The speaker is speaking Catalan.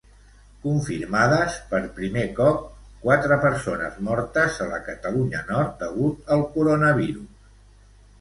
Confirmades, per primer cop, quatre persones mortes a la Catalunya Nord degut al coronavirus.